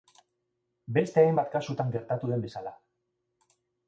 Beste hainbat kasutan gertatu den bezala.